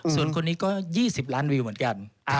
ส่วนคนนี้ก็๒๐ล้านวิวเหมือนกัน